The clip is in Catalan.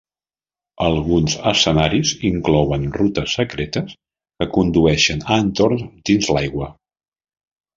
Alguns escenaris inclouen rutes secretes que condueixen a entorns dins l'aigua.